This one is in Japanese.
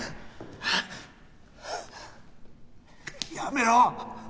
やめろ！